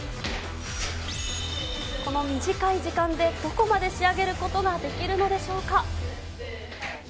この短い時間でどこまで仕上げることができるのでしょうか。